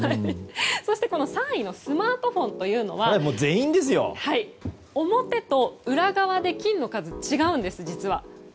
そして３位のスマートフォンは表と裏側で菌の数が違うんです。